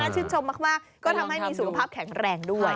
ชื่นชมมากก็ทำให้มีสุขภาพแข็งแรงด้วย